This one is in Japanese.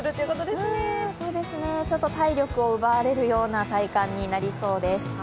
ちょっと体力を奪われるような体感になりそうです。